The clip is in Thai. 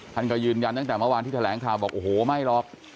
ท่านก็ยืนยันตั้งแต่เมื่อวานที่แถลงข่าวบอกโอ้โหไม่หรอก